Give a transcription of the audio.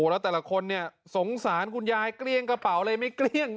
แล้วแต่ละคนเนี่ยสงสารคุณยายเกลี้ยงกระเป๋าเลยไม่เกลี้ยง